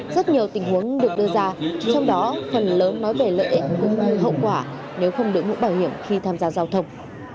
rất nhiều tình huống được đưa ra trong đó phần lớn nói về lợi ích và hậu quả nếu không đổi mũ bảo hiểm khi tham gia giao thông